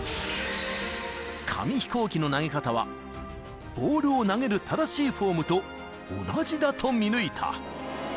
［紙飛行機の投げ方はボールを投げる正しいフォームと同じだと見抜いた］